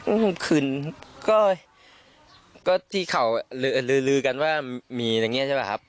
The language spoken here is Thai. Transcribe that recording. อืมขึ้นก็ก็ที่เขาลือลือกันว่ามีอะไรเงี้ยใช่ปะครับ